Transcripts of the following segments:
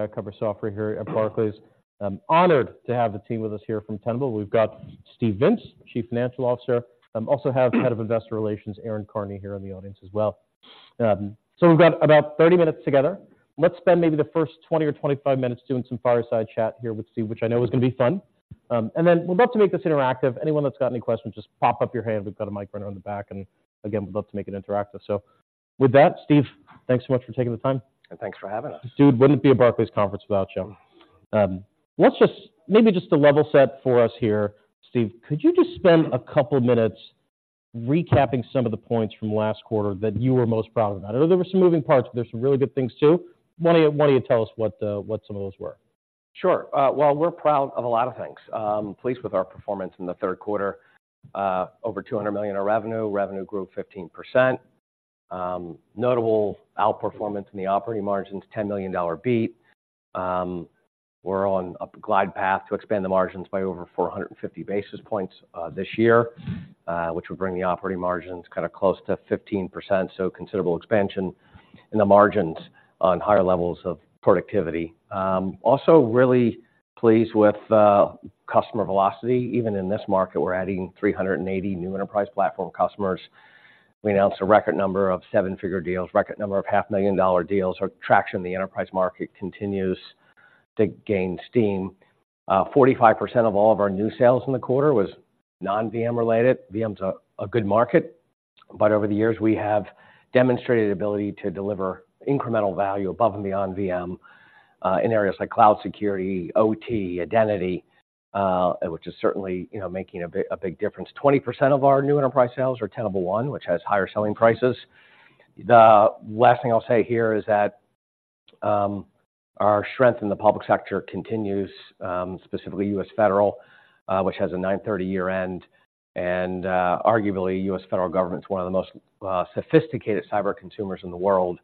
I cover software here at Barclays. I'm honored to have the team with us here from Tenable. We've got Steve Vintz, Chief Financial Officer, also have Head of Investor Relations, Erin Karney, here in the audience as well. So we've got about 30 minutes together. Let's spend maybe the first 20 or 25 minutes doing some fireside chat here with Steve, which I know is gonna be fun. And then we'd love to make this interactive. Anyone that's got any questions, just pop up your hand. We've got a mic runner in the back, and again, we'd love to make it interactive. So with that, Steve, thanks so much for taking the time. Thanks for having us. Steve, it wouldn't be a Barclays conference without you. Let's just maybe a level set for us here, Steve. Could you just spend a couple minutes recapping some of the points from last quarter that you were most proud of? I know there were some moving parts, but there's some really good things, too. Why don't you tell us what some of those were? Sure. Well, we're proud of a lot of things. Pleased with our performance in the third quarter, over $200 million in revenue. Revenue grew 15%. Notable outperformance in the operating margins, $10 million beat. We're on a glide path to expand the margins by over 450 basis points this year, which would bring the operating margins kinda close to 15%. So considerable expansion in the margins on higher levels of productivity. Also really pleased with customer velocity. Even in this market, we're adding 380 new enterprise platform customers. We announced a record number of seven-figure deals, record number of $500,000 deals. Our traction in the enterprise market continues to gain steam. 45% of all of our new sales in the quarter was non-VM related. VM's a good market, but over the years, we have demonstrated ability to deliver incremental value above and beyond VM in areas like cloud security, OT, identity, which is certainly, you know, making a big, a big difference. 20% of our new enterprise sales are Tenable One, which has higher selling prices. The last thing I'll say here is that our strength in the public sector continues, specifically U.S. Federal, which has a 9/30 year end, and arguably, U.S. Federal Government is one of the most sophisticated cyber consumers in the world.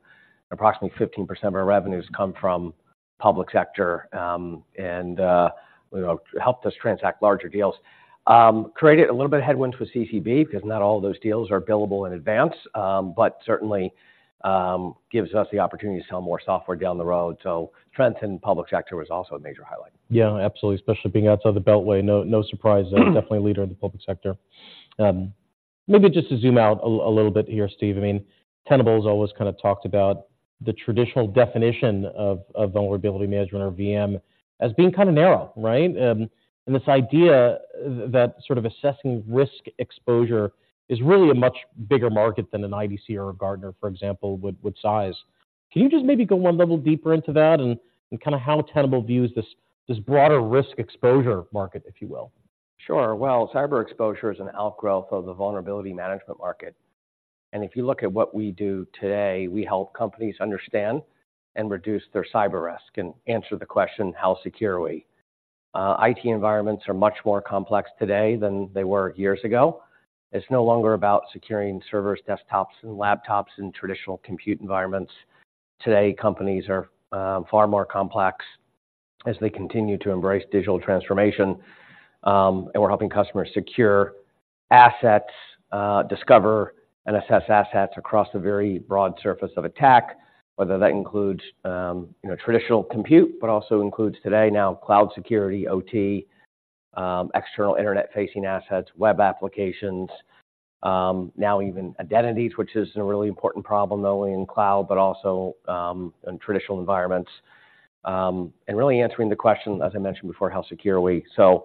Approximately 15% of our revenues come from public sector, and you know, helped us transact larger deals. Created a little bit of headwinds with CCB, 'cause not all of those deals are billable in advance, but certainly, gives us the opportunity to sell more software down the road. So trends in public sector was also a major highlight. Yeah, absolutely, especially being outside the Beltway. No, no surprise there. Definitely a leader in the public sector. Maybe just to zoom out a little bit here, Steve. I mean, Tenable has always kind of talked about the traditional definition of vulnerability management or VM, as being kind of narrow, right? And this idea that sort of assessing risk exposure is really a much bigger market than an IDC or a Gartner, for example, would size. Can you just maybe go one level deeper into that, and kind of how Tenable views this broader risk exposure market, if you will? Sure. Well, cyber exposure is an outgrowth of the vulnerability management market. And if you look at what we do today, we help companies understand and reduce their cyber risk and answer the question: How secure are we? IT environments are much more complex today than they were years ago. It's no longer about securing servers, desktops, and laptops in traditional compute environments. Today, companies are far more complex as they continue to embrace digital transformation, and we're helping customers secure assets, discover and assess assets across a very broad surface of attack, whether that includes, you know, traditional compute, but also includes today now cloud security, OT, external internet-facing assets, web applications, now even identities, which is a really important problem, not only in cloud but also, in traditional environments. And really answering the question, as I mentioned before: How secure are we? So,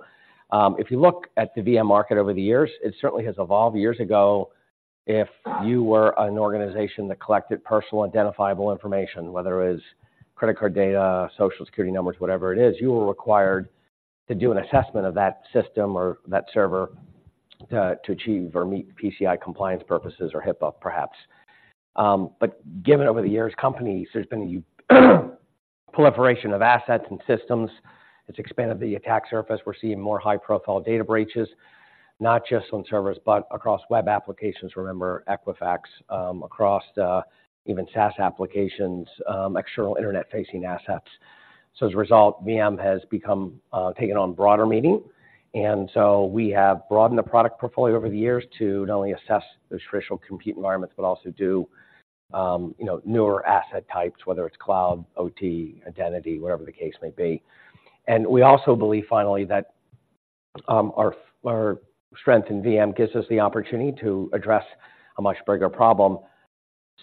if you look at the VM market over the years, it certainly has evolved. Years ago, if you were an organization that collected personally identifiable information, whether it was credit card data, Social Security numbers, whatever it is, you were required to do an assessment of that system or net server to achieve or meet PCI compliance purposes or HIPAA, perhaps. But given over the years, companies, there's been a proliferation of assets and systems. It's expanded the attack surface. We're seeing more high-profile data breaches, not just on servers, but across web applications. Remember Equifax, across the even SaaS applications, external internet-facing assets. So as a result, VM has become taken on broader meaning, and so we have broadened the product portfolio over the years to not only assess those traditional compute environments, but also do, you know, newer asset types, whether it's cloud, OT, identity, whatever the case may be. And we also believe, finally, that our strength in VM gives us the opportunity to address a much bigger problem.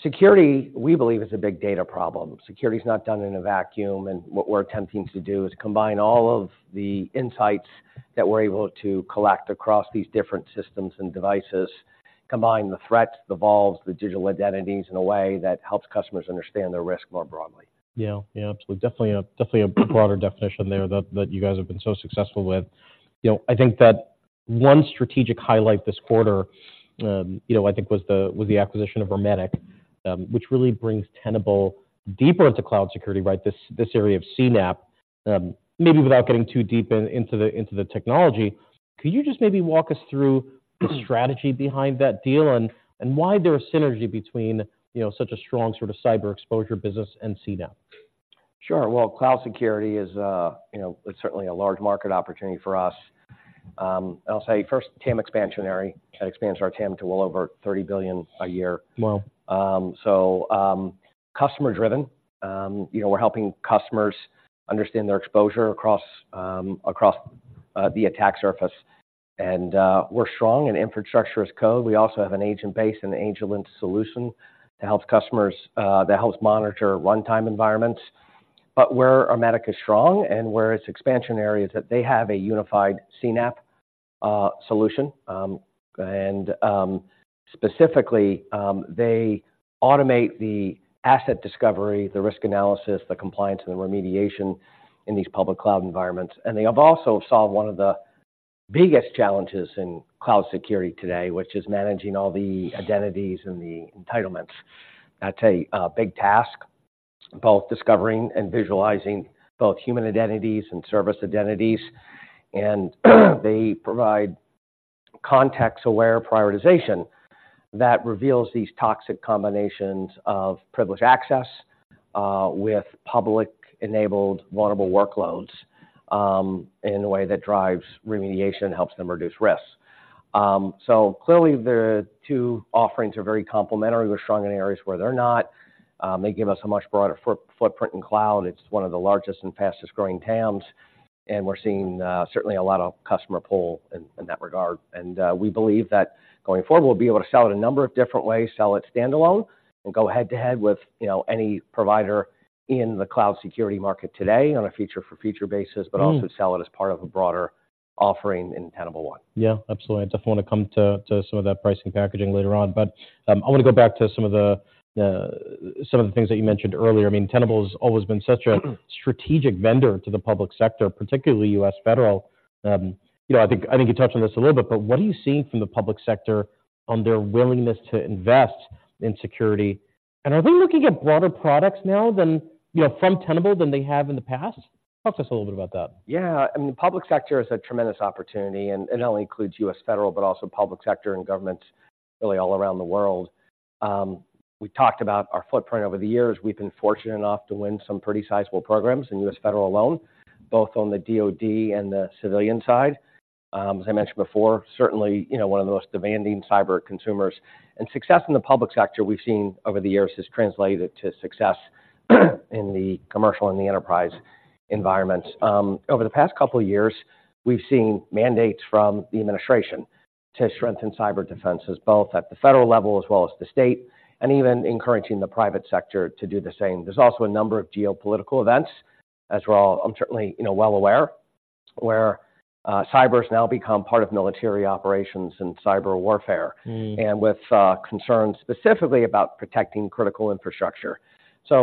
Security, we believe, is a big data problem. Security is not done in a vacuum, and what we're attempting to do is combine all of the insights that we're able to collect across these different systems and devices, combine the threats, the vulns, the digital identities in a way that helps customers understand their risk more broadly. Yeah. Yeah, absolutely. Definitely a broader definition there that you guys have been so successful with. You know, I think that one strategic highlight this quarter, you know, I think was the acquisition of Ermetic, which really brings Tenable deeper into cloud security, right? This area of CNAPP. Maybe without getting too deep into the technology, could you just maybe walk us through the strategy behind that deal and why there is synergy between, you know, such a strong sort of cyber exposure business and CNAPP? Sure. Well, cloud security is, you know, it's certainly a large market opportunity for us.... I'll say first, TAM expansionary. That expands our TAM to well over $30 billion a year. Wow! So, customer-driven. You know, we're helping customers understand their exposure across the attack surface. And we're strong in infrastructure as code. We also have an agent base and an agentless solution to help customers that helps monitor runtime environments. But where Ermetic is strong and where it's expansionary is that they have a unified CNAPP solution. And specifically, they automate the asset discovery, the risk analysis, the compliance, and the remediation in these public cloud environments. And they have also solved one of the biggest challenges in cloud security today, which is managing all the identities and the entitlements. That's a big task, both discovering and visualizing both human identities and service identities. They provide context-aware prioritization that reveals these toxic combinations of privileged access, with public-enabled vulnerable workloads, in a way that drives remediation and helps them reduce risks. So clearly, the two offerings are very complementary. We're strong in areas where they're not. They give us a much broader footprint in cloud. It's one of the largest and fastest-growing TAMs, and we're seeing certainly a lot of customer pull in that regard. We believe that going forward, we'll be able to sell it a number of different ways, sell it standalone, and go head-to-head with, you know, any provider in the cloud security market today on a feature-for-feature basis- Mm. but also sell it as part of a broader offering in Tenable One. Yeah, absolutely. I definitely want to come to some of that pricing packaging later on. But, I want to go back to some of the things that you mentioned earlier. I mean, Tenable has always been such a strategic vendor to the public sector, particularly U.S. Federal. You know, I think you touched on this a little bit, but what are you seeing from the public sector on their willingness to invest in security? And are they looking at broader products now than, you know, from Tenable than they have in the past? Talk to us a little bit about that. Yeah, I mean, the public sector is a tremendous opportunity, and it not only includes U.S. Federal, but also public sector and government really all around the world. We talked about our footprint over the years. We've been fortunate enough to win some pretty sizable programs in U.S. Federal alone, both on the DoD and the civilian side. As I mentioned before, certainly, you know, one of the most demanding cyber consumers. And success in the public sector, we've seen over the years, has translated to success, in the commercial and the enterprise environments. Over the past couple of years, we've seen mandates from the administration to strengthen cyber defenses, both at the federal level as well as the state, and even encouraging the private sector to do the same. There's also a number of geopolitical events, as we're all certainly, you know, well aware, where cyber has now become part of military operations and cyber warfare- Mm. - and with concerns specifically about protecting critical infrastructure. So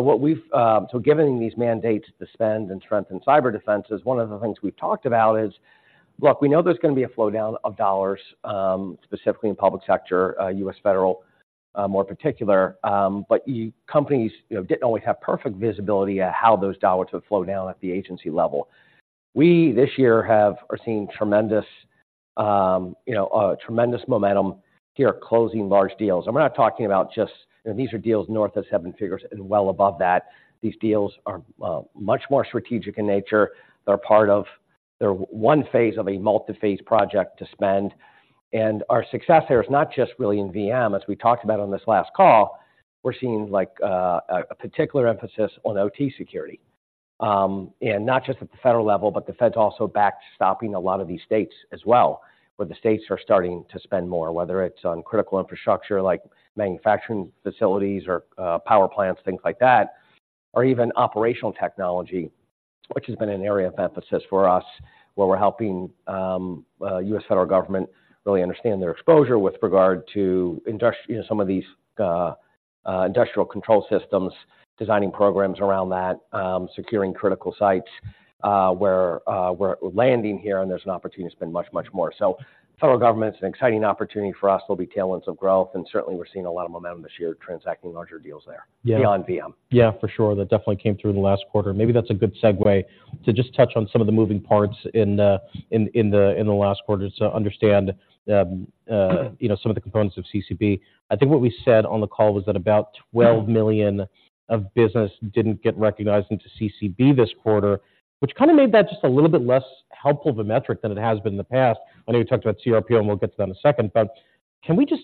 given these mandates to spend and strengthen cyber defenses, one of the things we've talked about is, look, we know there's going to be a flow down of dollars, specifically in public sector, U.S. Federal, more particular. But companies, you know, didn't always have perfect visibility at how those dollars would flow down at the agency level. We this year are seeing tremendous, you know, tremendous momentum here closing large deals. And we're not talking about just. You know, these are deals north of seven figures and well above that. These deals are much more strategic in nature. They're part of one phase of a multi-phase project to spend, and our success here is not just really in VM. As we talked about on this last call, we're seeing, like, a particular emphasis on OT security. And not just at the federal level, but the fed's also back stopping a lot of these states as well, where the states are starting to spend more, whether it's on critical infrastructure like manufacturing facilities or power plants, things like that, or even operational technology, which has been an area of emphasis for us, where we're helping U.S. Federal government really understand their exposure with regard to industry, you know, some of these industrial control systems, designing programs around that, securing critical sites, where we're landing here, and there's an opportunity to spend much, much more. So federal government's an exciting opportunity for us. There'll be tailwinds of growth, and certainly, we're seeing a lot of momentum this year, transacting larger deals there- Yeah... beyond VM. Yeah, for sure. That definitely came through in the last quarter. Maybe that's a good segue to just touch on some of the moving parts in the last quarter, to understand the, you know, some of the components of CCB. I think what we said on the call was that about $12 million of business didn't get recognized into CCB this quarter, which kind of made that just a little bit less helpful of a metric than it has been in the past. I know you talked about CRPO, and we'll get to that in a second, but can we just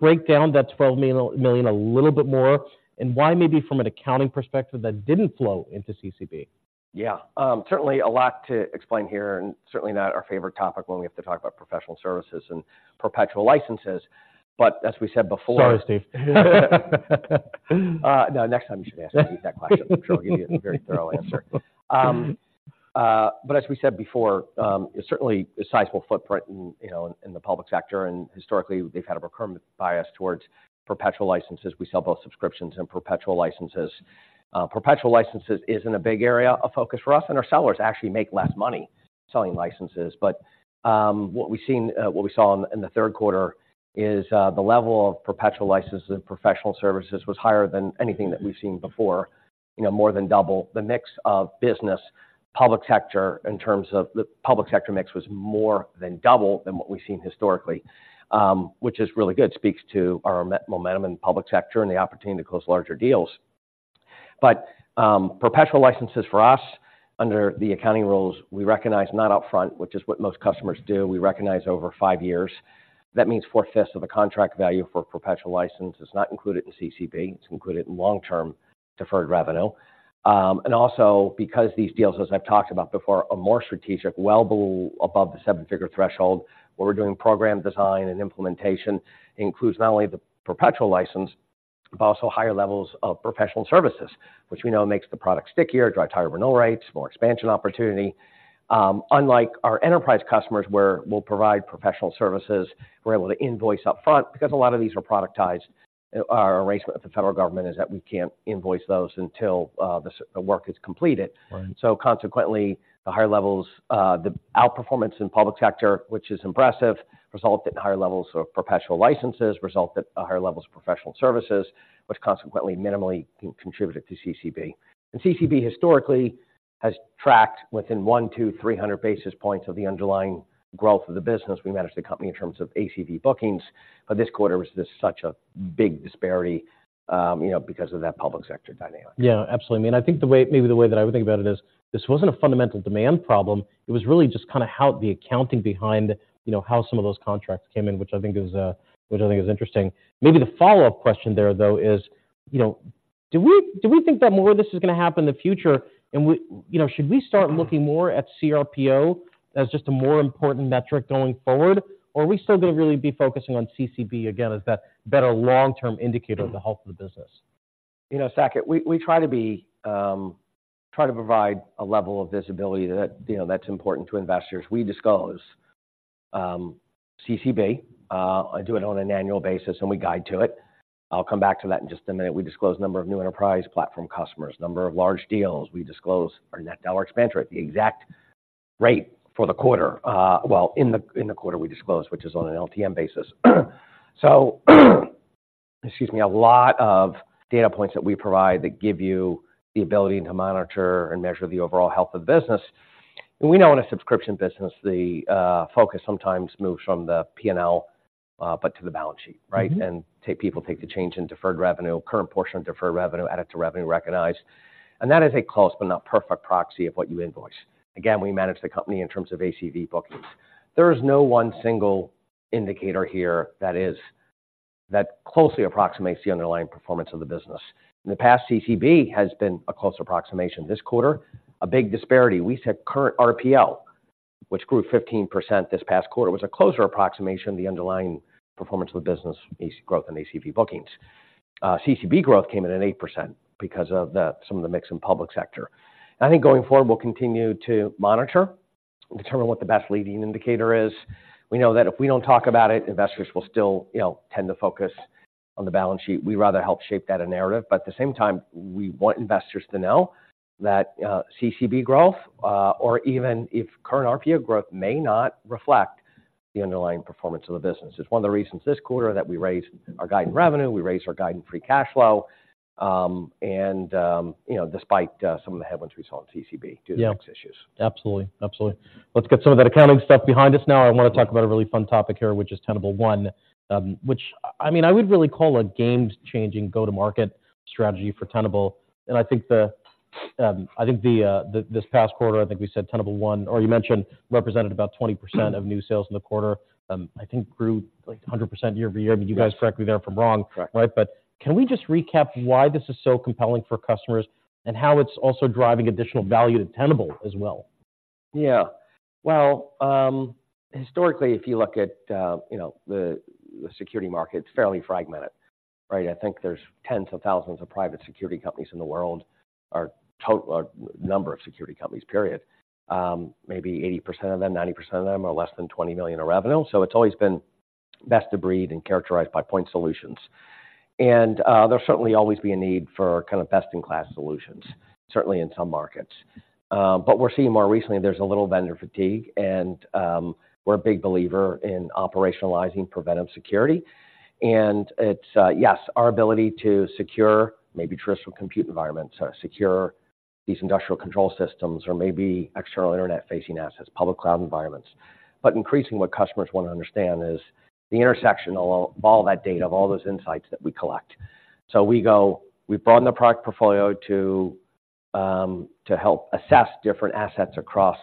break down that $12 million a little bit more, and why, maybe from an accounting perspective, that didn't flow into CCB? Yeah. Certainly a lot to explain here, and certainly not our favorite topic when we have to talk about professional services and perpetual licenses. But as we said before- Sorry, Steve. No, next time you should ask me that question. I'm sure I'll give you a very thorough answer. But as we said before, certainly a sizable footprint in, you know, in the public sector, and historically, they've had a recurrent bias towards perpetual licenses. We sell both subscriptions and perpetual licenses. Perpetual licenses isn't a big area of focus for us, and our sellers actually make less money selling licenses. But what we saw in the third quarter is the level of perpetual licenses and professional services was higher than anything that we've seen before, you know, more than double. The mix of business, public sector, in terms of the public sector mix, was more than double than what we've seen historically, which is really good. Speaks to our momentum in the public sector and the opportunity to close larger deals. But perpetual licenses for us, under the accounting rules, we recognize not upfront, which is what most customers do. We recognize over five years. That means four-fifths of the contract value for perpetual license is not included in CCB, it's included in long-term deferred revenue. And also because these deals, as I've talked about before, are more strategic, well below above the seven-figure threshold, where we're doing program design and implementation, includes not only the perpetual license, but also higher levels of professional services, which we know makes the product stickier, drives higher renewal rates, more expansion opportunity. Unlike our enterprise customers, where we'll provide professional services, we're able to invoice upfront because a lot of these are productized. Our arrangement with the federal government is that we can't invoice those until the work is completed. Right. So consequently, the higher levels, the outperformance in public sector, which is impressive, resulted in higher levels of perpetual licenses, resulted in higher levels of professional services, which consequently minimally contributed to CCB. And CCB historically has tracked within 1-300 basis points of the underlying growth of the business. We manage the company in terms of ACV bookings, but this quarter was just such a big disparity, you know, because of that public sector dynamic. Yeah, absolutely. I mean, I think the way that I would think about it is, this wasn't a fundamental demand problem, it was really just kind of how the accounting behind, you know, how some of those contracts came in, which I think is interesting. Maybe the follow-up question there, though, is, you know, do we think that more of this is gonna happen in the future? And, you know, should we start looking more at CRPO as just a more important metric going forward? Or are we still gonna really be focusing on CCB again, as that better long-term indicator- Mm-hmm. of the health of the business? You know, Saket, we try to be, try to provide a level of visibility that, you know, that's important to investors. We disclose CCB, I do it on an annual basis, and we guide to it. I'll come back to that in just a minute. We disclose number of new enterprise platform customers, number of large deals. We disclose our net dollar expansion at the exact rate for the quarter, well, in the quarter, we disclose, which is on an LTM basis. So, excuse me, a lot of data points that we provide that give you the ability to monitor and measure the overall health of business. And we know in a subscription business, the focus sometimes moves from the P&L, but to the balance sheet, right? Mm-hmm. People take the change in deferred revenue, current portion of deferred revenue, add it to revenue recognized, and that is a close but not perfect proxy of what you invoice. Again, we manage the company in terms of ACV bookings. There is no one single indicator here that closely approximates the underlying performance of the business. In the past, CCB has been a close approximation. This quarter, a big disparity. We said current RPO, which grew 15% this past quarter, was a closer approximation of the underlying performance of the business, AC growth and ACV bookings. CCB growth came in at 8% because of some of the mix in public sector. I think going forward, we'll continue to monitor and determine what the best leading indicator is. We know that if we don't talk about it, investors will still, you know, tend to focus on the balance sheet. We rather help shape that narrative, but at the same time, we want investors to know that CCB growth or even if current RPO growth may not reflect the underlying performance of the business. It's one of the reasons this quarter that we raised our guided revenue, we raised our guided free cash flow, and, you know, despite some of the headwinds we saw in CCB- Yeah. due to the mix issues. Absolutely. Absolutely. Let's get some of that accounting stuff behind us now. I wanna talk about a really fun topic here, which is Tenable One, which, I mean, I would really call a game-changing go-to-market strategy for Tenable. And I think this past quarter, I think we said Tenable One, or you mentioned, represented about 20%- Mm-hmm. -of new sales in the quarter, I think grew, like, 100% year-over-year. Yes. I mean, you guys correct me there if I'm wrong. Correct. Right? But can we just recap why this is so compelling for customers, and how it's also driving additional value to Tenable as well? Yeah. Well, historically, if you look at, you know, the security market, it's fairly fragmented, right? I think there's tens of thousands of private security companies in the world, or total or number of security companies, period. Maybe 80% of them, 90% of them, are less than $20 million in revenue. So it's always been best of breed and characterized by point solutions. And, there'll certainly always be a need for kind of best-in-class solutions, certainly in some markets. But we're seeing more recently, there's a little vendor fatigue, and, we're a big believer in operationalizing preventive security. And it's, yes, our ability to secure maybe traditional compute environments or secure these industrial control systems or maybe external internet-facing assets, public cloud environments. But increasingly, what customers wanna understand is the intersection of all, all that data, of all those insights that we collect. So we've broadened the product portfolio to help assess different assets across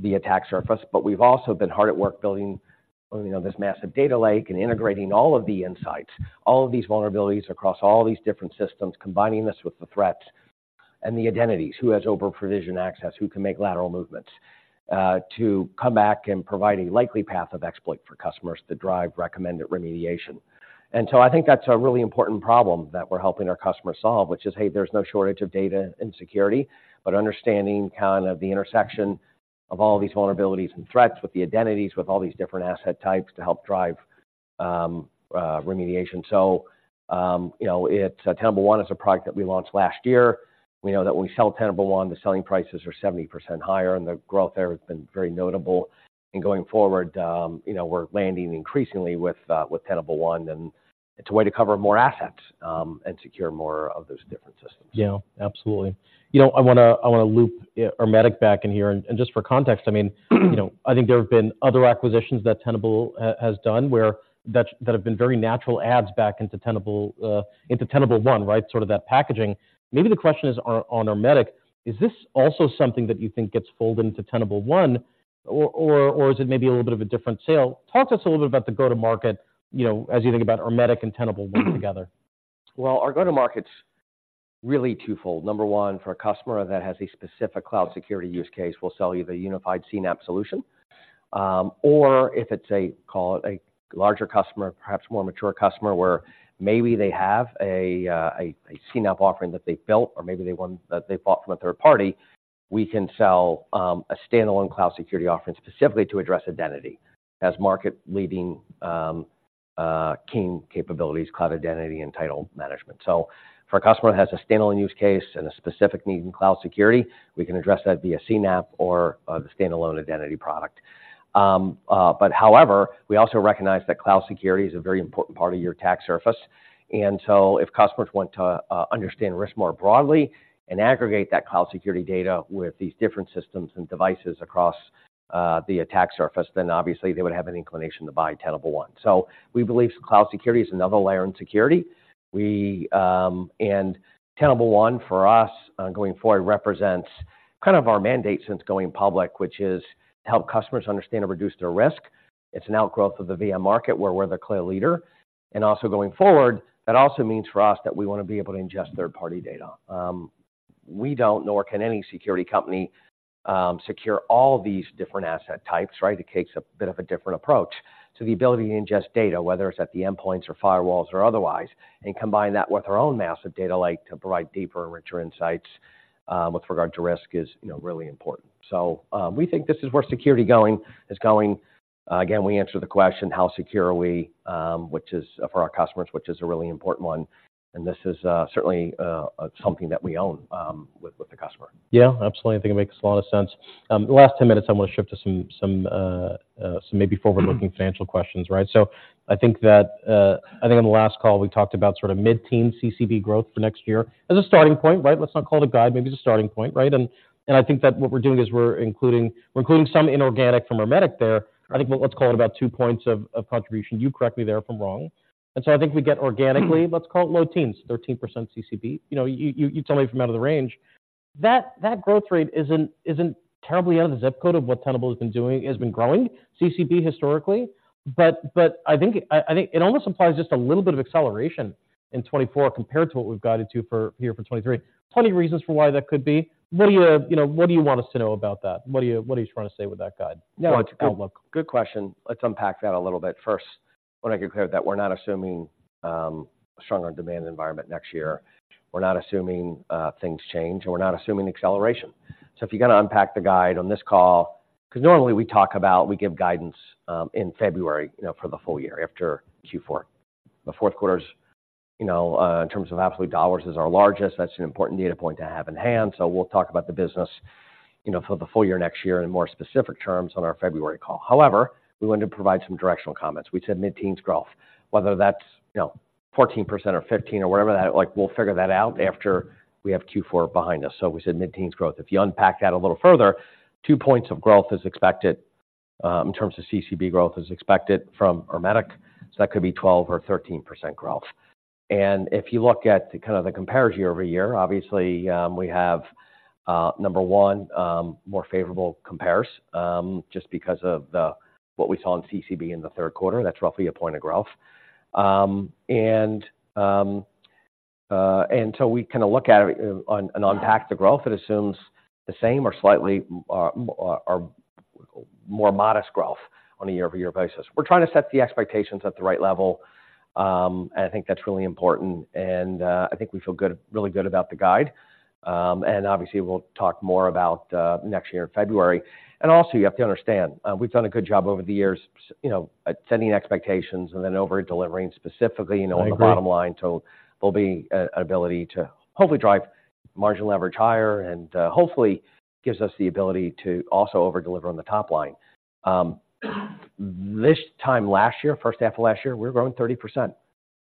the attack surface, but we've also been hard at work building, you know, this massive data lake and integrating all of the insights, all of these vulnerabilities across all these different systems, combining this with the threats and the identities, who has over-provision access, who can make lateral movements, to come back and provide a likely path of exploit for customers to drive recommended remediation. And so I think that's a really important problem that we're helping our customers solve, which is, hey, there's no shortage of data in security, but understanding kind of the intersection of all these vulnerabilities and threats with the identities, with all these different asset types to help drive remediation. So, you know, it's Tenable One is a product that we launched last year. We know that when we sell Tenable One, the selling prices are 70% higher, and the growth there has been very notable. And going forward, you know, we're landing increasingly with Tenable One, and it's a way to cover more assets and secure more of those different systems. Yeah, absolutely. You know, I wanna loop Ermetic back in here. And just for context, I mean, you know, I think there have been other acquisitions that Tenable has done where that have been very natural adds back into Tenable, into Tenable One, right? Sort of that packaging. Maybe the question is on Ermetic: Is this also something that you think gets folded into Tenable One, or is it maybe a little bit of a different sale? Talk to us a little bit about the go-to-market, you know, as you think about Ermetic and Tenable One together. Well, our go-to-market is really twofold. Number one, for a customer that has a specific cloud security use case, we'll sell you the unified CNAPP solution. Or if it's a, call it a larger customer, perhaps more mature customer, where maybe they have a CNAPP offering that they've built or maybe they want that they bought from a third party, we can sell a standalone cloud security offering specifically to address identity as market-leading key capabilities, cloud identity, and entitlement management. So for a customer that has a standalone use case and a specific need in cloud security, we can address that via CNAPP or the standalone identity product. But however, we also recognize that cloud security is a very important part of your attack surface. If customers want to understand risk more broadly and aggregate that cloud security data with these different systems and devices across the attack surface, then obviously they would have an inclination to buy Tenable One. We believe cloud security is another layer in security. Tenable One, for us, going forward, represents kind of our mandate since going public, which is to help customers understand and reduce their risk. It's an outgrowth of the VM market, where we're the clear leader. Also going forward, that also means for us that we wanna be able to ingest third-party data. We don't, nor can any security company, secure all these different asset types, right? It takes a bit of a different approach to the ability to ingest data, whether it's at the endpoints or firewalls or otherwise, and combine that with our own massive data lake to provide deeper and richer insights with regard to risk is, you know, really important. So, we think this is where security is going. Again, we answer the question, how secure are we? Which is, for our customers, a really important one, and this is certainly something that we own with the customer. Yeah, absolutely. I think it makes a lot of sense. The last 10 minutes, I want to shift to some maybe forward-looking financial questions, right? So I think that I think on the last call, we talked about sort of mid-teen CCB growth for next year as a starting point, right? Let's not call it a guide, maybe as a starting point, right? And I think that what we're doing is we're including some inorganic from Ermetic there. I think let's call it about 2 points of contribution. You correct me there if I'm wrong. And so I think we get organically, let's call it low teens, 13% CCB. You know, you tell me from out of the range. That growth rate isn't terribly out of the zip code of what Tenable has been doing, has been growing CCB historically. But I think I think it almost implies just a little bit of acceleration in 2024 compared to what we've guided to for year for 2023. Plenty of reasons for why that could be. What are your... You know, what do you want us to know about that? What are you trying to say with that guide or outlook? Good question. Let's unpack that a little bit. First, I wanna be clear that we're not assuming a stronger demand environment next year. We're not assuming things change, and we're not assuming acceleration. So if you're gonna unpack the guide on this call, 'cause normally we give guidance in February, you know, for the full year after Q4. The fourth quarter is, you know, in terms of absolute dollars, is our largest. That's an important data point to have in hand, so we'll talk about the business, you know, for the full year, next year, in more specific terms on our February call. However, we wanted to provide some directional comments. We said mid-teens growth, whether that's, you know, 14% or 15 or whatever, that, like, we'll figure that out after we have Q4 behind us. So we said mid-teens growth. If you unpack that a little further, 2 points of growth is expected in terms of CCB growth is expected from Ermetic. So that could be 12% or 13% growth. And if you look at the kind of the compares year-over-year, obviously, we have number one more favorable compares just because of what we saw in CCB in the third quarter, that's roughly a point of growth. And so we kinda look at it and unpack the growth, it assumes the same or slightly or more modest growth on a year-over-year basis. We're trying to set the expectations at the right level, and I think that's really important. And I think we feel good really good about the guide. And obviously, we'll talk more about next year in February. And also, you have to understand, we've done a good job over the years, you know, at setting expectations and then over-delivering specifically, you know- I agree... on the bottom line. So there'll be an ability to hopefully drive margin leverage higher and hopefully gives us the ability to also over-deliver on the top line. This time last year, first half of last year, we were growing 30%.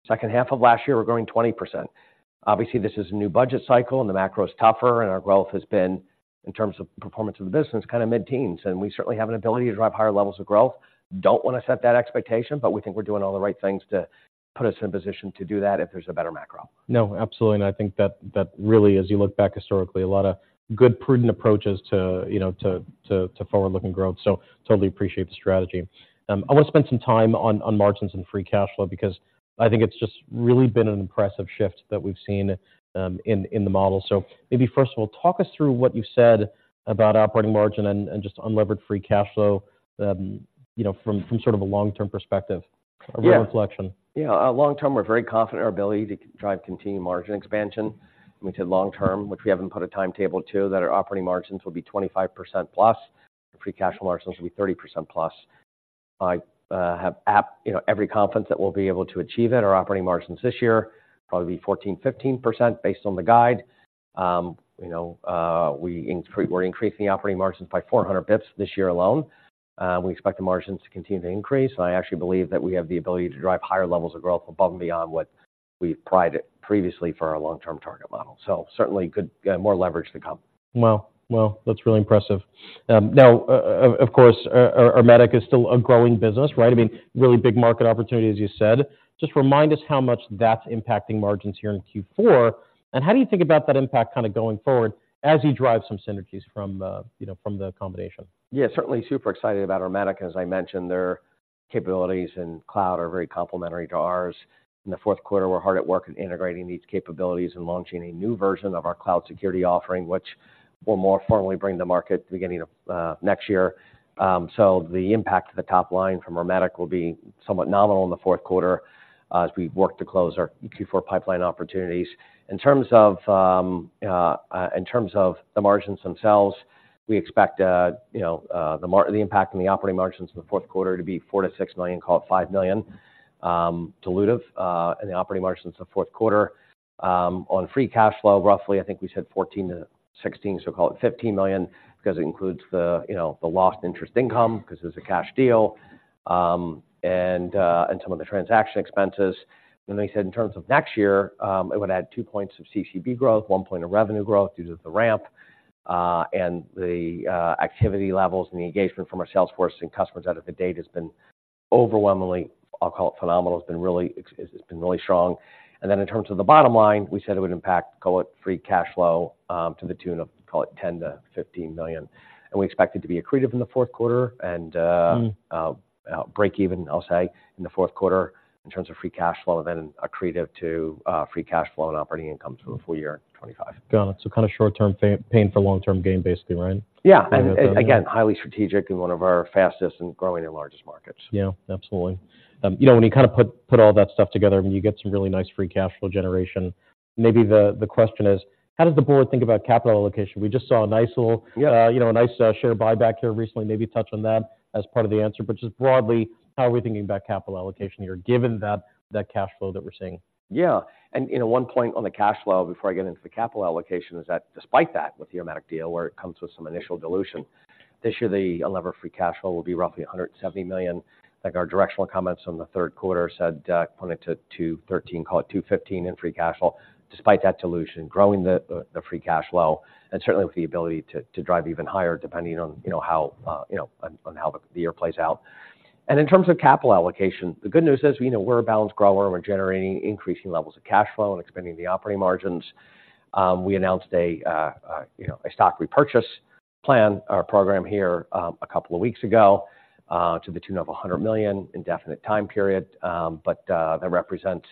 Second half of last year, we're growing 20%. Obviously, this is a new budget cycle, and the macro is tougher, and our growth has been, in terms of performance of the business, kinda mid-teens, and we certainly have an ability to drive higher levels of growth. Don't wanna set that expectation, but we think we're doing all the right things to put us in a position to do that if there's a better macro. No, absolutely. And I think that really, as you look back historically, a lot of good, prudent approaches to, you know, to forward-looking growth. So totally appreciate the strategy. I wanna spend some time on margins and free cash flow because I think it's just really been an impressive shift that we've seen in the model. So maybe first of all, talk us through what you said about operating margin and just unlevered free cash flow, you know, from sort of a long-term perspective. Yeah... or reflection. Yeah. Long term, we're very confident in our ability to drive continued margin expansion, which is long term, which we haven't put a timetable to, that our operating margins will be 25%+, free cash flow margins will be 30%+. I have, you know, every confidence that we'll be able to achieve it. Our operating margins this year probably be 14%-15%, based on the guide. You know, we're increasing the operating margins by 400 basis points this year alone. We expect the margins to continue to increase, and I actually believe that we have the ability to drive higher levels of growth above and beyond what we priced it previously for our long-term target model. So certainly good, more leverage to come. Wow. Well, that's really impressive. Now, of course, Ermetic is still a growing business, right? I mean, really big market opportunity, as you said. Just remind us how much that's impacting margins here in Q4, and how do you think about that impact kinda going forward as you drive some synergies from, you know, from the combination? Yeah, certainly super excited about Ermetic. As I mentioned, their capabilities in cloud are very complementary to ours. In the fourth quarter, we're hard at work at integrating these capabilities and launching a new version of our cloud security offering, which we'll more formally bring to market beginning of next year. So the impact to the top line from Ermetic will be somewhat nominal in the fourth quarter, as we work to close our Q4 pipeline opportunities. In terms of the margins themselves, we expect, you know, the impact on the operating margins in the fourth quarter to be $4 million-$6 million, call it $5 million, dilutive, in the operating margins the fourth quarter. On free cash flow, roughly, I think we said $14 million-$16 million, so call it $15 million, because it includes the, you know, the lost interest income, 'cause it was a cash deal, and some of the transaction expenses. And I said in terms of next year, it would add 2 points of CCB growth, 1 point of revenue growth due to the ramp. And the activity levels and the engagement from our sales force and customers out of the gate has been overwhelmingly, I'll call it phenomenal, it's been really strong. And then in terms of the bottom line, we said it would impact, call it free cash flow, to the tune of, call it $10 million-$15 million. And we expect it to be accretive in the fourth quarter and, Mm-hmm... break even, I'll say, in the fourth quarter in terms of free cash flow, then accretive to free cash flow and operating income through the full year in 2025. Got it. So kind of short-term pain for long-term gain, basically, right? Yeah. And, and- Again, highly strategic and one of our fastest and growing and largest markets. Yeah, absolutely. You know, when you kind of put all that stuff together, I mean, you get some really nice free cash flow generation. Maybe the question is: How does the board think about capital allocation? We just saw a nice little- Yeah... you know, a nice share buyback here recently. Maybe touch on that as part of the answer. But just broadly, how are we thinking about capital allocation here, given that cash flow that we're seeing? Yeah. And, you know, one point on the cash flow before I get into the capital allocation is that despite that, with the Ermetic deal, where it comes with some initial dilution, this year, the unlevered free cash flow will be roughly $170 million. Like, our directional comments on the third quarter said point it to $213 million, call it $215 million in free cash flow, despite that dilution, growing the free cash flow, and certainly with the ability to drive even higher, depending on, you know, how, you know, on how the year plays out. And in terms of capital allocation, the good news is, you know, we're a balanced grower, and we're generating increasing levels of cash flow and expanding the operating margins. We announced a, you know, a stock repurchase plan or program here, a couple of weeks ago, to the tune of $100 million, indefinite time period, but that represents,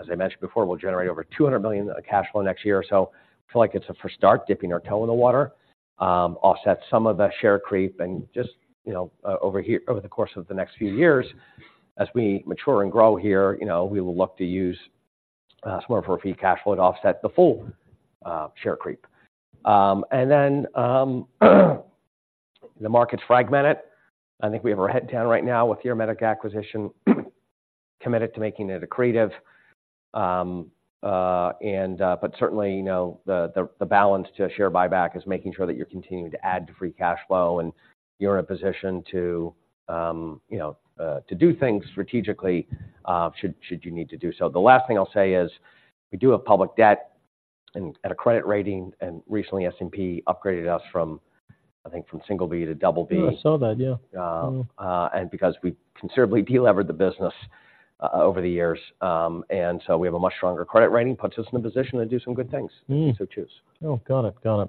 as I mentioned before, we'll generate over $200 million of cash flow next year or so. I feel like it's a fresh start, dipping our toe in the water, offset some of the share creep and just, you know, over the course of the next few years, as we mature and grow here, you know, we will look to use some more of our free cash flow to offset the full share creep. The market's fragmented. I think we have our head down right now with the Ermetic acquisition, committed to making it accretive. But certainly, you know, the balance to a share buyback is making sure that you're continuing to add to free cash flow, and you're in a position to, you know, to do things strategically, should you need to do so. The last thing I'll say is, we do have public debt and a credit rating, and recently, S&P upgraded us from, I think, single B to double B. Yeah, I saw that, yeah. Um- Mm-hmm. Because we considerably delevered the business over the years, so we have a much stronger credit rating, puts us in a position to do some good things- Mm-hmm... if we so choose. Oh, got it. Got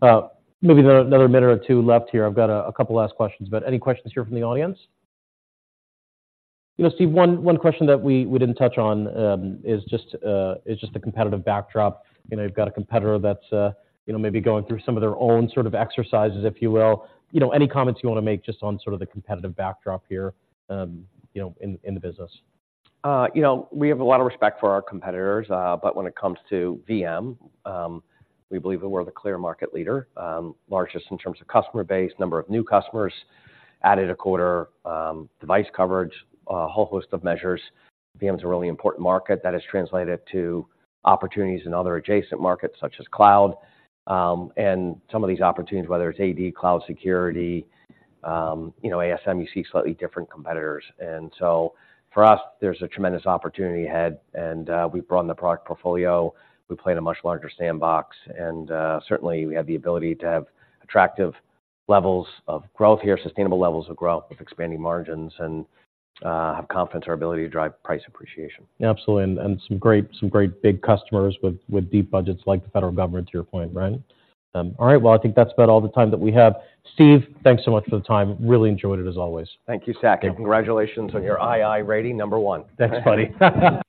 it. Maybe another minute or two left here. I've got a couple last questions, but any questions here from the audience? You know, Steve, one question that we didn't touch on is just the competitive backdrop. You know, you've got a competitor that's, you know, maybe going through some of their own sort of exercises, if you will. You know, any comments you wanna make just on sort of the competitive backdrop here, you know, in the business? You know, we have a lot of respect for our competitors, but when it comes to VM, we believe that we're the clear market leader, largest in terms of customer base, number of new customers, added a quarter, device coverage, a whole host of measures. VM is a really important market that has translated to opportunities in other adjacent markets, such as cloud. And some of these opportunities, whether it's AD, cloud security, you know, ASM, you see slightly different competitors. And so for us, there's a tremendous opportunity ahead, and, we've grown the product portfolio, we play in a much larger sandbox, and, certainly, we have the ability to have attractive levels of growth here, sustainable levels of growth with expanding margins, and, have confidence in our ability to drive price appreciation. Absolutely. And some great big customers with deep budgets like the federal government, to your point, right? All right, well, I think that's about all the time that we have. Steve, thanks so much for the time. Really enjoyed it, as always. Thank you, Saket. Yeah. Congratulations on your II rating, number one. Thanks, buddy.